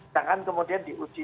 jangan kemudian diuji